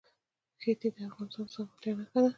ښتې د افغانستان د زرغونتیا نښه ده.